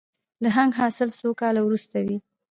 د هنګ حاصل څو کاله وروسته وي؟